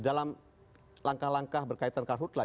dalam langkah langkah berkaitan karut lain